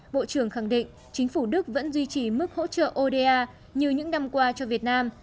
bộ trưởng khẳng định chính phủ đức vẫn duy trì mức hỗ trợ oda như những năm qua cho việt nam